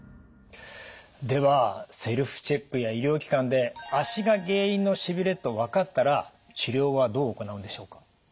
ではセルフチェックや医療機関で足が原因のしびれと分かったら治療はどう行うんでしょうか？